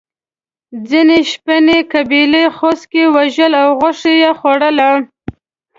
ځینې شپنې قبیلې خوسکي وژل او غوښه یې خوړله.